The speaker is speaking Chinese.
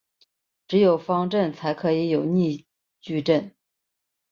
只有方阵才可能有逆矩阵。